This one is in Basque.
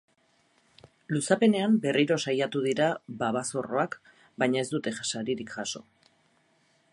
Luzapenean berriro saiatu dira babazorroak, baina ez dute saririk jaso.